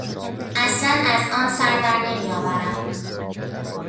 اصلا از آن سر درنمیآورم.